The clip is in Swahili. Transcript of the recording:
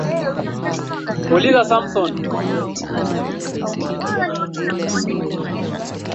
Waandishi wa habari wameeleza wasiwasi wao wa mamlaka za serikali kutoheshimu utawala wa sheria